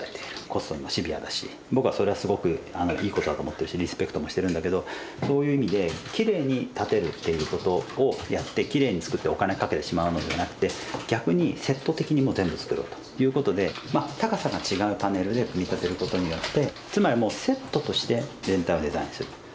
コストにもシビアだし僕はそれはすごくいいことだと思ってるしリスペクトもしてるんだけどそういう意味できれいに建てるっていうことをやってきれいにつくってお金かけてしまうのではなくて逆にセット的にもう全部つくろうということでまあ高さが違うパネルで組み立てることによってつまりもうセットとして全体をデザインする。